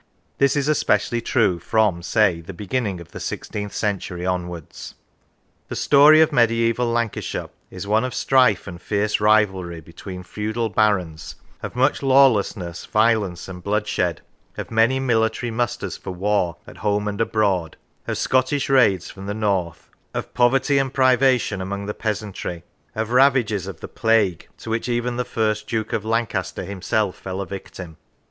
This is especially true from, say, the beginning of the sixteenth century onwards. The story of mediaeval Lancashire is one of strife and fierce rivalry between feudal barons, of much lawlessness, violence, and bloodshed, of many military musters for wars at home and abroad, of Scottish raids from the north, of poverty and privation among the peasantry, of ravages of the plague, to which even the first Duke of Lancaster himself fell a victim.